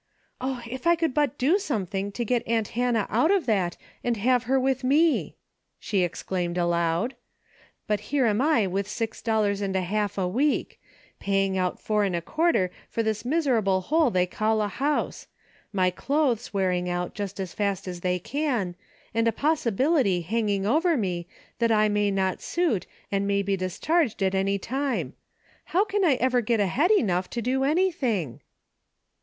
" Oh, if I could but do something to get aunt Hannah out of that and have her with me !" she exclaimed aloud. " But here am I with six dollars and a half a week ; pay ing out four and a quarter for this miserable hole they call a home ; my clothes wearing out just as fast as they can, and a possibility hanging over me that I may not suit and may be discharged at any time. How can I ever get ahead enough to do anything